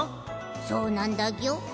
そうなんだギョ。